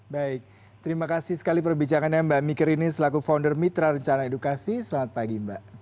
baik terima kasih sekali perbicaraannya mbak miker ini selaku founder mitra rencana edukasi selamat pagi mbak